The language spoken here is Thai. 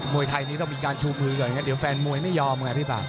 วยไทยนี้ต้องมีการชูมือก่อนงั้นเดี๋ยวแฟนมวยไม่ยอมไงพี่ปาก